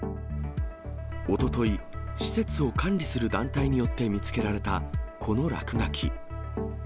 おととい、施設を管理する団体によって見つけられたこの落書き。